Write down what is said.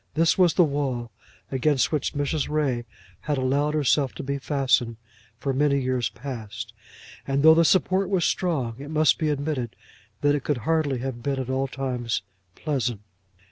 This was the wall against which Mrs. Ray had allowed herself to be fastened for many years past, and though the support was strong it must be admitted that it could hardly have been at all times pleasant.